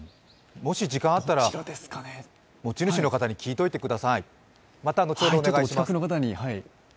もし時間があったら、持ち主の方に聞いておいてください。